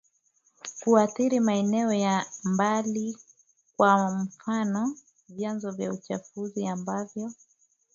kuathiri maeneo ya mbali Kwa mfano vyanzo vya uchafuzi ambavyo